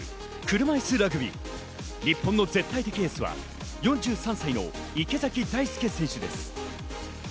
車いすラグビー、日本の絶対的エースは４３歳の池崎大輔選手です。